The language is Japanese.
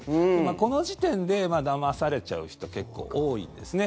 この時点でだまされちゃう人結構多いですね。